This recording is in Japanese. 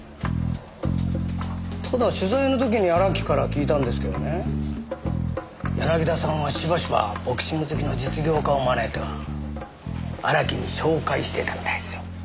ただ取材の時に荒木から聞いたんですけどね柳田さんはしばしばボクシング好きの実業家を招いては荒木に紹介してたみたいっすよ。